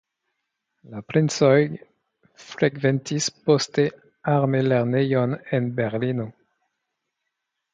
La princoj frekventis poste armelernejon en Berlino.